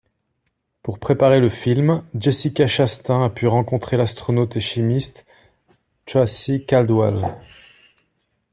Pour préparer le film, Jessica Chastain a pu rencontrer l'astronaute et chimiste Tracy Caldwell.